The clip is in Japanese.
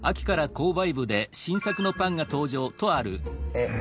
えっ。